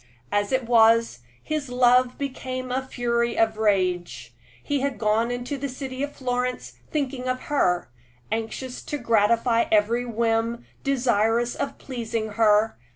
As it was, his love became a fury of rage. He had gone into the city of Florence, thinking of her, anxious to gratify every whim, desirous of pleasing her.